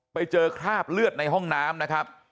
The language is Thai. ไปเจอคราบเลือดในห้องน้ำนะครับ